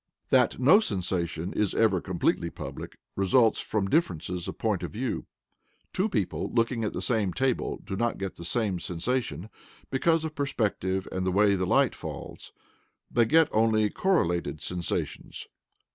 That no sensation is ever completely public, results from differences of point of view. Two people looking at the same table do not get the same sensation, because of perspective and the way the light falls. They get only correlated sensations.